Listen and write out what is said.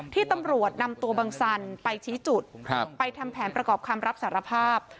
ที่ตำรวจนำตัวบังสันไปชี้จุดไปทำแผนประกอบคำรับสารภาพ